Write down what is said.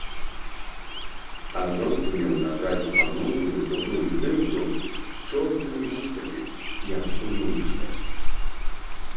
А жонку меў, на жаль, панурую худую дылду, з чорнымі вусамі, як у мышы.